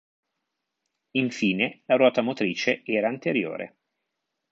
Infine la ruota motrice era anteriore.